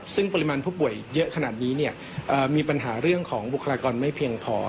ซึ่งปริมาณผู้ป่วยเยอะขนาดนี้มีปัญหาเรื่องของบุคลากรไม่เพียงพอ